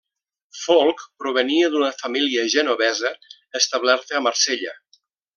Folc provenia d'una família genovesa establerta a Marsella.